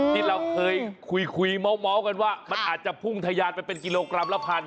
ที่เราเคยคุยเมาส์กันว่ามันอาจจะพุ่งทะยานไปเป็นกิโลกรัมละพัน